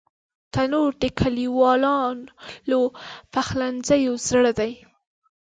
تنور د کلیوالو پخلنځیو زړه دی